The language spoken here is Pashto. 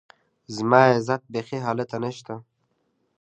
زما عزت بيخي هلته نشته